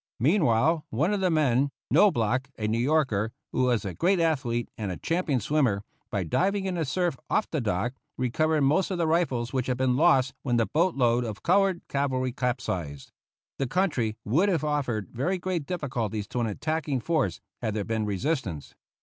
Meanwhile one of the men, Knoblauch, a New Yorker, who was a great athlete and a champion swimmer, by diving in the surf off the dock, recovered most of the rifles which had been lost when the boat load of colored cavalry capsized. The country would have offered very great difficulties to an attacking force had there been resistance.